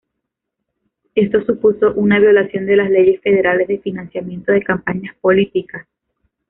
Esto supuso una violación de las leyes federales de financiamiento de campañas políticas.